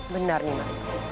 benar nih mas